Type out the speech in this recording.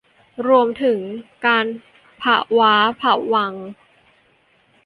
รวมถึงการพะว้าพะวัง